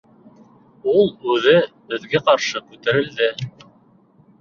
Ул үҙе беҙгә ҡаршы күтәрелде: